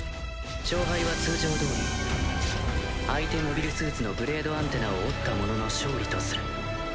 勝敗は通常どおり相手モビルスーツのブレードアンテナを折った者の勝利とする。